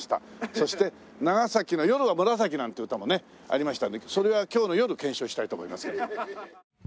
そして『長崎の夜はむらさき』なんて歌もねありましたんでそれは今日の夜検証したいと思いますけど。